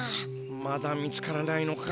まだ見つからないのか？